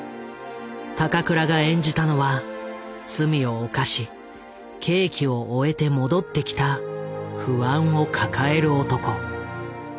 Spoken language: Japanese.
高倉が演じたのは罪を犯し刑期を終えて戻ってきた不安を抱える男。